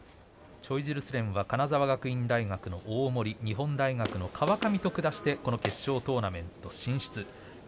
チョイジルスレンは金沢学院大学の大森日本大学の川上と下してこの決勝トーナメント進出。